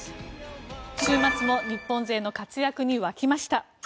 週末も日本勢の活躍に沸きました。